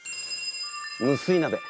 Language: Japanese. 無水鍋。